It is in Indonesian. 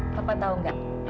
papa tau gak